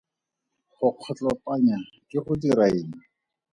Go kgotlopanya ke go dira eng?